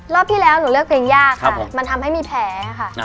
รอบที่แล้วหนูเลือกเพลงยากน่าที่มีแผล